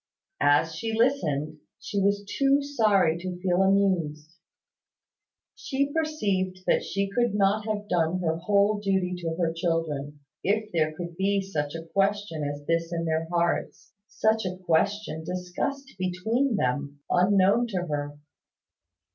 As she listened, she was too sorry to feel amused. She perceived that she could not have done her whole duty to her children, if there could be such a question as this in their hearts such a question discussed between them, unknown to her.